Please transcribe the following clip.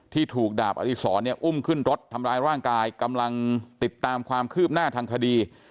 ที่ถูกดาบอดีศรเนี่ยอุ้มขึ้นรถทำร้ายร่างกายกำลังติดตามความคืบหน้าทางคดี